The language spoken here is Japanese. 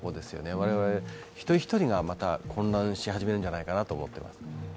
我々一人一人がまた混乱し始めるのではないかと思っています。